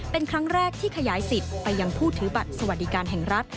เป็นครั้งแรกที่ขยายสิทธิ์ไปยังผู้ถือบัตรสวัสดิการแห่งรัฐ